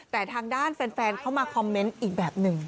แต่ทางด้านแฟนเข้ามาคอมเมนต์อีกแบบหนึ่ง